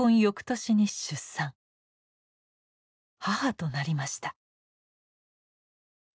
母となりました。